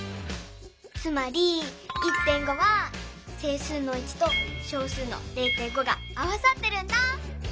つまり１．５は整数の１と小数の０．５が合わさってるんだ。